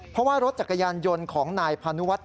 เพราะว่ารถจักรยานยนต์ของนายพานุวัฒ